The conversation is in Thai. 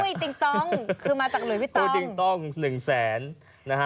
คือมาจากหลวยวิตอร์เอาดิงต้องหนึ่งแสนนั้นฮะ